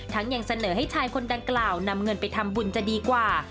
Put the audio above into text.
ยังเสนอให้ชายคนดังกล่าวนำเงินไปทำบุญจะดีกว่า